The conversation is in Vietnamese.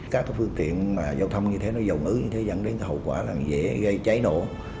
các phương tiện mà giao thông như thế nó dầu ứ như thế dẫn đến hậu quả là dễ gây cháy nổ